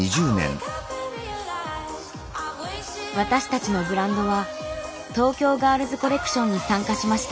私たちのブランドは東京ガールズコレクションに参加しました。